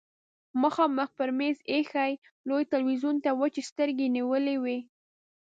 مخامخ پر مېز ايښي لوی تلويزيون ته يې وچې سترګې نيولې وې.